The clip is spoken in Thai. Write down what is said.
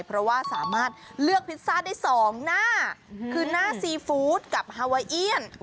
เพราะว่าสามารถเลือกพิซซ่าได้๒หน้าคือหน้าซีฟู้ดกับฮาวาเอียน